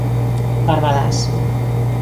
Barbadás.